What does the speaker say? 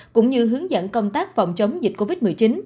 cũng như hướng dẫn công tác phòng chống dịch covid một mươi chín